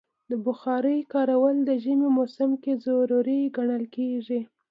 د بخارۍ کارول د ژمي موسم کې ضروری ګڼل کېږي.